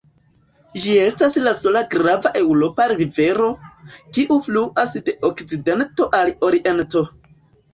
Ĝi estas la sola grava eŭropa rivero, kiu fluas de okcidento al oriento.